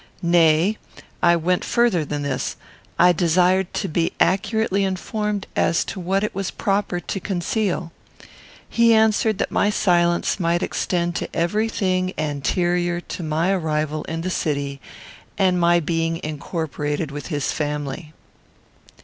Nay, I went further than this; I desired to be accurately informed as to what it was proper to conceal. He answered that my silence might extend to every thing anterior to my arrival in the city and my being incorporated with his family.